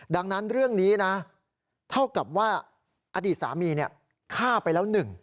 ดังนั้นเรื่องนี้นะเท่ากับว่าอดีตสามีฆ่าไปแล้วหนึ่ง